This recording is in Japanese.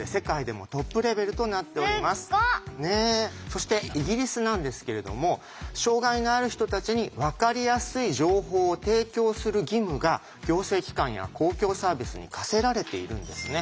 そしてイギリスなんですけれども障害のある人たちにわかりやすい情報を提供する義務が行政機関や公共サービスに課せられているんですね。